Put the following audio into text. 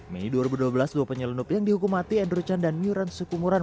mei dua ribu dua belas dua penyelundup yang dihukum mati andrechan dan yuran sukumuran